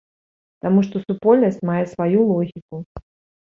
Таму што супольнасць мае сваю логіку.